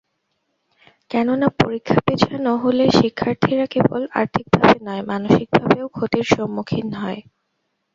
কেননা, পরীক্ষা পেছানো হলে শিক্ষার্থীরা কেবল আর্থিকভাবে নয়, মানসিকভাবেও ক্ষতির সম্মুখীন হয়।